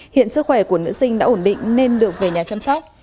hiện sức khỏe của nữ sinh đã ổn định nên được về nhà chăm sóc